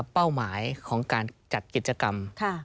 เป้าหมายของการจัดกิจกรรม